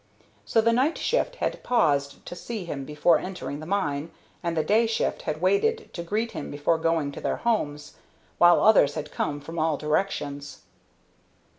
So the night shift had paused to see him before entering the mine, and the day shift had waited to greet him before going to their homes, while others had come from all directions.